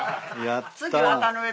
やった。